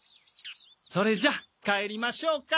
それじゃあ帰りましょうか。